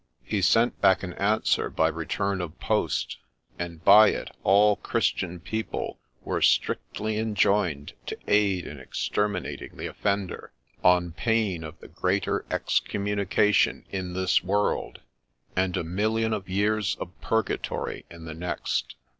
He sent back an answer by return of post ; and by it all Christian people were strictly enjoined to aid in exterminating the offender, on pain of the greater excommunication in this world, and a million of years of purgatory in the next.